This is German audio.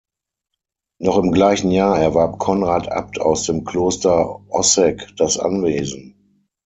Noch im gleichen Jahr erwarb Konrad Abt aus dem Kloster Ossegg das Anwesen.